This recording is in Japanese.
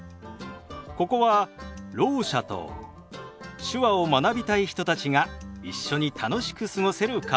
ここはろう者と手話を学びたい人たちが一緒に楽しく過ごせるカフェ。